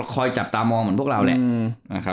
คอยจับตามองเหมือนพวกเราแหละ